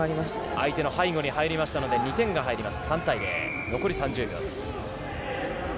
相手の背後に入りましたので、２点が入ります。